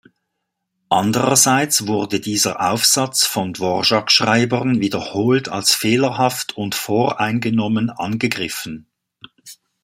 Andererseits wurde dieser Aufsatz von Dvorak-Schreibern wiederholt als fehlerhaft und voreingenommen angegriffen.